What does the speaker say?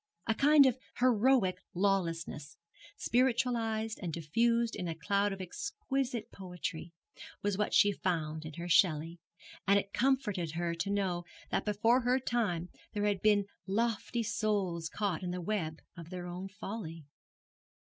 A kind of heroic lawlessness, spiritualized and diffused in a cloud of exquisite poetry, was what she found in her Shelley; and it comforted her to know that before her time there had been lofty souls caught in the web of their own folly.